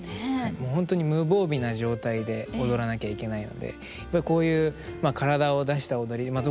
本当に無防備な状態で踊らなきゃいけないのでこういう体を出した踊りまあ